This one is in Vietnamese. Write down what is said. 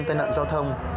tài nạn giao thông